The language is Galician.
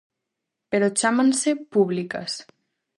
Pero chámanse "públicas".